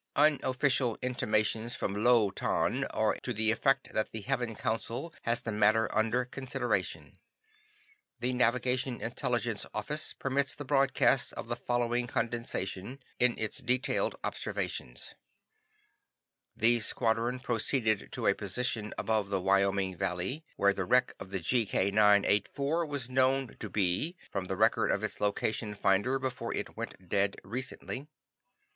"Unofficial intimations from Lo Tan are to the effect that the Heaven Council has the matter under consideration. "The Navigation Intelligence Office permits the broadcast of the following condensation of its detailed observations: "The squadron proceeded to a position above the Wyoming Valley where the wreck of the GK 984 was known to be, from the record of its location finder before it went dead recently.